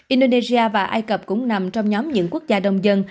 indonesia và ai cập cũng nằm trong nhóm những quốc gia đông dân